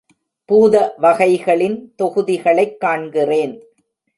பூத வகைகளின் தொகுதிகளைக் காண்கிறேன்.